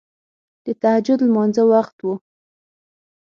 د تهجد لمانځه وخت وو.